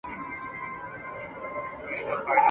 یو خو دا چي نن مي وږي ماشومان دي ..